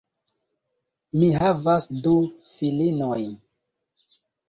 Mi havas du filinojn.